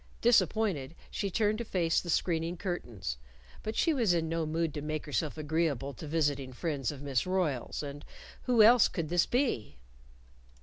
Disappointed, she turned to face the screening curtains. But she was in no mood to make herself agreeable to visiting friends of Miss Royle's and who else could this be?